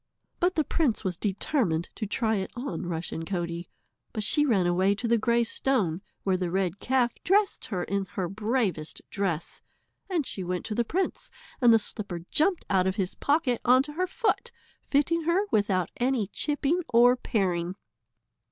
But the prince was determined to try it on Rushen Coatie, but she ran away to the grey stone, where the red calf dressed her in her bravest dress, and she went to the prince and the slipper jumped out of his pocket on to her foot, fitting her without any chipping or paring.